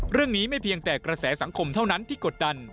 ไม่เพียงแต่กระแสสังคมเท่านั้นที่กดดัน